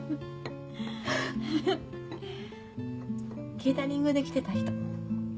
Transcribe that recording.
ケータリングで来てた人。